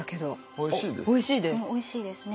おいしいですね。